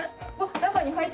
中中に何入って。